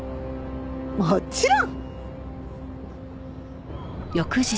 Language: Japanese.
もちろん！